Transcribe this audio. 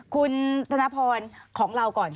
คุณธนพรของเราก่อน